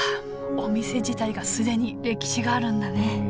お店自体がすでに歴史があるんだね。